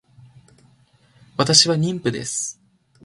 私は妊婦です